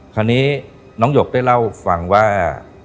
คราวนี้น้องหยกได้เล่าฟังว่า